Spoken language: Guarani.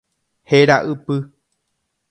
Héra ypy.